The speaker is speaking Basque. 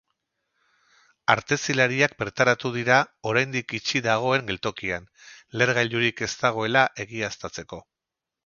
Artezilariak bertaratu dira oraindik itxi dagoen geltokian, lehergailurik ez dagoela egiaztatzeko.